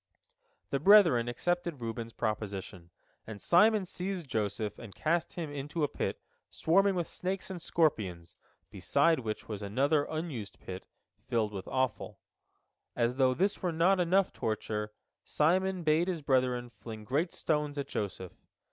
" The brethren accepted Reuben's proposition, and Simon seized Joseph, and cast him into a pit swarming with snakes and scorpions, beside which was another unused pit, filled with offal. As though this were not enough torture, Simon bade his brethren fling great stones at Joseph.